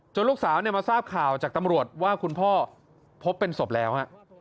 ลูกสาวมาทราบข่าวจากตำรวจว่าคุณพ่อพบเป็นศพแล้ว